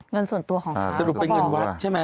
เงินส่วนตัวของเขาสรุปเป็นเงินวัดใช่ไหม